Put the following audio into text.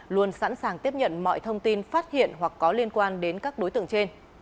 luôn sẵn sàng tiếp nhận mọi thông tin phát hiện hoặc có liên quan đến các đối tượng trên